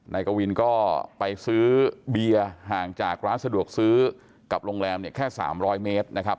นายกวินก็ไปซื้อเบียร์ห่างจากร้านสะดวกซื้อกับโรงแรมเนี่ยแค่๓๐๐เมตรนะครับ